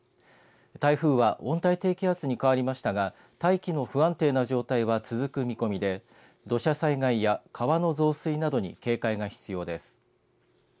台風は温帯低気圧に変わりましたが大気の不安定な状態は続く見込みで土砂災害や川の増水などに警戒が必要です。